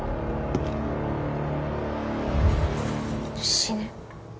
死ね。